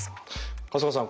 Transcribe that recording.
春日さん